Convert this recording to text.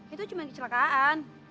itu cuma kecelakaan